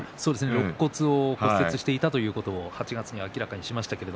ろっ骨を骨折したということを８月に明らかにしました。